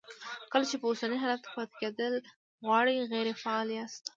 کله چې په اوسني حالت کې پاتې کېدل غواړئ غیر فعال یاست.